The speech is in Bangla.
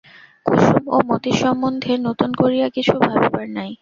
কুসুম ও মতির সম্বন্ধে নূতন করিয়া কিছু ভাবিবার নাই।